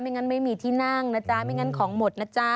งั้นไม่มีที่นั่งนะจ๊ะไม่งั้นของหมดนะจ๊ะ